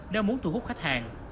nếu muốn thu hút khách hàng